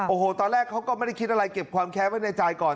โอ้โหตอนแรกเขาก็ไม่ได้คิดอะไรเก็บความแค้นไว้ในใจก่อน